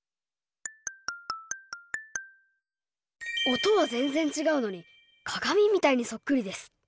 音は全然違うのに鏡みたいにそっくりです。